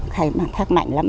khai thác mạnh lắm